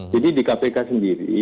jadi di kpk sendiri